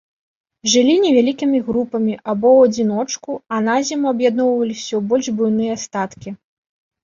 Жылі невялікімі групамі або ў адзіночку, а на зіму аб'ядноўваліся ў больш буйныя статкі.